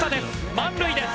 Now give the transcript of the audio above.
満塁です。